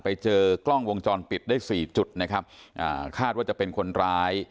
ไปเจอกล้องวงจรปิดได้สี่จุดนะครับอ่าคาดว่าจะเป็นคนร้าย